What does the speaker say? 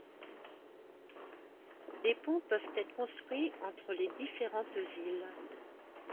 Des ponts peuvent être construits entre les différentes îles.